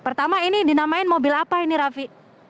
pertama ini dinamakan mobil apa ini rafi